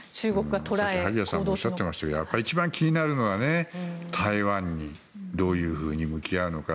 さっき萩谷さんもおっしゃってましたが一番気になるのはどういうふうに向き合うのか